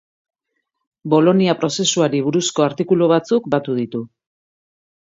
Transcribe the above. Bolonia prozesuari buruzko artikulu batzuk batu ditu.